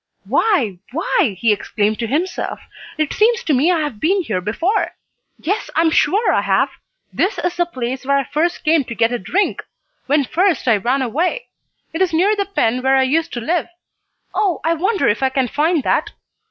"Why why!" he exclaimed to himself: "It seems to me I have been here before! Yes, I am sure I have. This is the place where I first came to get a drink, when first I ran away. It is near the pen where I used to live! Oh, I wonder if I can find that?"